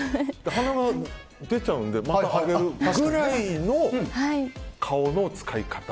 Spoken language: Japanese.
鼻が出ちゃうのでまた上げるぐらいの顔の使い方。